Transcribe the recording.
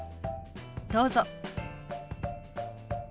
どうぞ。